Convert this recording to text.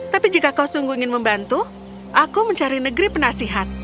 tapi jika kau sungguh ingin membantu aku mencari negeri penasihat